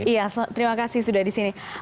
iya terima kasih sudah di sini